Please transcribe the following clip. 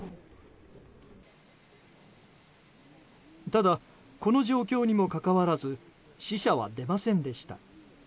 ただ、この状況にもかかわらず死者は出ませんでした。